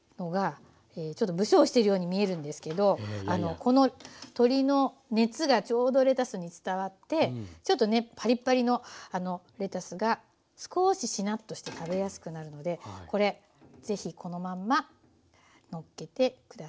この鶏の熱がちょうどレタスに伝わってちょっとねパリパリのレタスが少ししなっとして食べやすくなるのでこれ是非このまんまのっけて下さい。